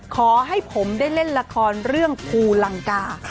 ขอให้ผมได้เล่นละครเรื่องภูลังกา